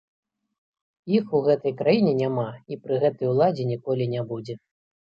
Іх у гэтай краіне няма і пры гэтай уладзе ніколі не будзе.